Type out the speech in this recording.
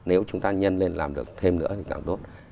nếu chúng ta nhân lên làm được thêm nữa thì càng tốt